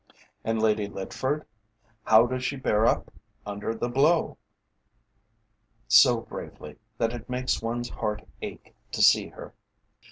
"And Lady Litford? How does she bear up under the blow?" "So bravely, that it makes one's heart ache to see her."